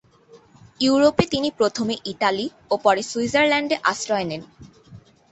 ইউরোপে তিনি প্রথমে ইটালি ও পরে সুইজারল্যান্ডে আশ্রয় নেন।